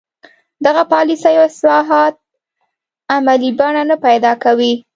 دغه پالیسۍ او اصلاحات عملي بڼه نه پیدا کوي.